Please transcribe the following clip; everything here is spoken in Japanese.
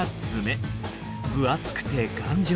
分厚くて頑丈。